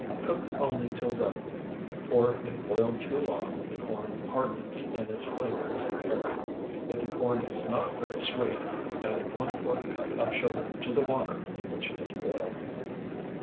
Cook only till done, for if boiled too long, the corn hardens, and its flavor is impaired. If the corn is not very sweet, add one fourth cup of sugar to the water in which it is boiled.